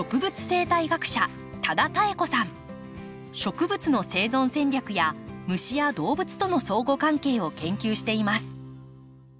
植物の生存戦略や虫や動物との相互関係を研究しています。